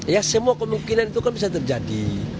ya semua kemungkinan itu kan bisa terjadi